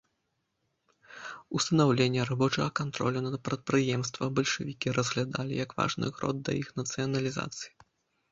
Устанаўленне рабочага кантролю на прадпрыемствах бальшавікі разглядалі як важны крок да іх нацыяналізацыі.